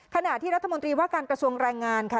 ขณะที่รัฐมนตรีว่าการประสงค์รายงานค่ะ